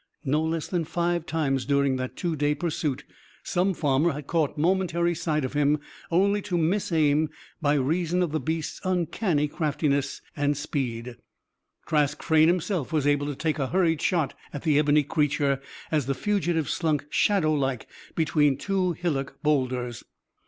No less than five times during that two day pursuit some farmer caught momentary sight of him; only to miss aim by reason of the beast's uncanny craftiness and speed. Trask Frayne himself was able to take a hurried shot at the ebony creature as the fugitive slunk shadowlike between two hillock boulders.